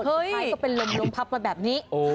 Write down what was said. ใครก็เป็นลมลมพับมาแบบนี้